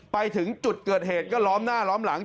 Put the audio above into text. ไปถึงจุดเกิดเหตุก็ล้อมหน้าล้อมหลัง